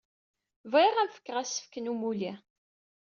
Bɣiɣ ad am-fkeɣ asefk n umulli.